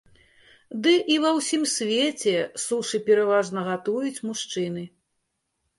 Ды і ва ўсім свеце сушы пераважна гатуюць мужчыны.